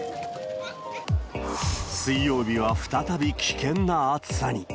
水曜日は再び危険な暑さに。